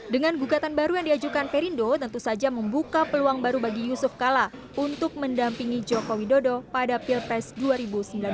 dengan gugatan baru yang diajukan perindo tentu saja membuka peluang baru bagi yusuf kala untuk mendampingi jokowi dodo pada pilpresiden